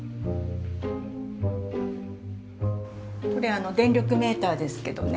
これ電力メーターですけどね